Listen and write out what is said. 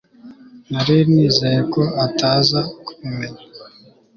nari nizeye ko ataza kubimenya